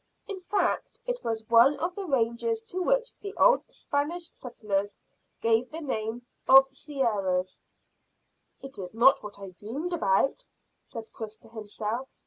In fact, it was one of the ranges to which the old Spanish settlers gave the name of Sierras. "It is not what I dreamed about," said Chris to himself.